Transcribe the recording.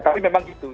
tapi memang gitu